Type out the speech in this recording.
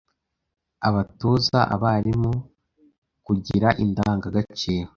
Abatoza: Abarimu. Kugira indanga gaciro